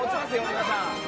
皆さん。